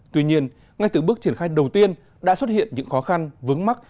tuy nhiên ngay từ bước triển khai đầu tiên đã xuất hiện những khó khăn vướng mắt